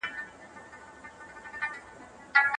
کومو فکري خامیو زموږ هېواد وران کړ؟